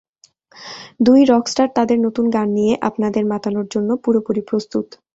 দুই রকস্টার তাঁদের নতুন গান নিয়ে আপনাদের মাতানোর জন্য পুরোপুরি প্রস্তুত।